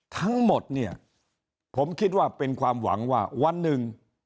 ทั้งหมดเนี่ยผมคิดว่าเป็นความหวังว่าวันหนึ่ง